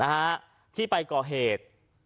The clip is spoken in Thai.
นะฮะที่ไปก่อเหตุ